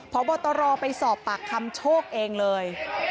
พบตรไปสอบปากคำโชคเองเลย